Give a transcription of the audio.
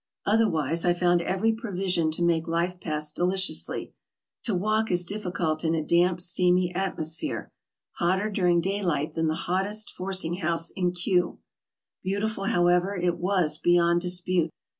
Otherwise I found every provision to make life pass deliciously. To walk is difficult in a damp, steamy atmosphere, hotter during daylight than the hottest forcing house in Kew. ... Beautiful, how ever, it was beyond dispute.